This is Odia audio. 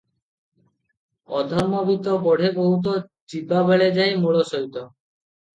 "ଅଧର୍ମବିତ୍ତ ବଢ଼େ ବହୁତ, ଯିବାବେଳେ ଯାଏ ମୂଳ ସହିତ ।"